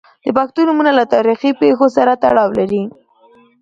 • د پښتو نومونه له تاریخي پیښو سره تړاو لري.